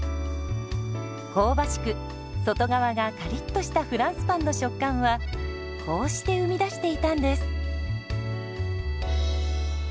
香ばしく外側がカリッとしたフランスパンの食感はこうして生み出していたんです。